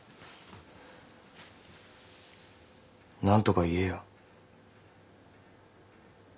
何とか言えよ。